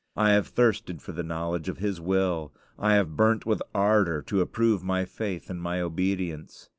I have thirsted for the knowledge of his will. I have burnt with ardor to approve my faith and my obedience.